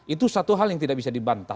itu satu hal yang tidak bisa dibantah